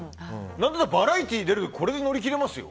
何ならバラエティー出るのこれで乗り切れますよ。